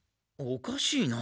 おかしいな。